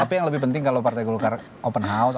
tapi yang lebih penting kalau partai golkar open house